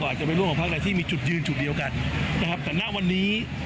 ไม่จับมือกับพลังประชารัฐและรวมไทยสร้างชาติ